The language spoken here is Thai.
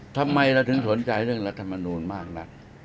ทำไมเราถึงสนใจเรื่องรัฐมนูลมากนัก